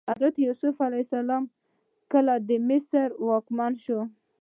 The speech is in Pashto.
حضرت یوسف علیه السلام چې کله د مصر واکمن شو.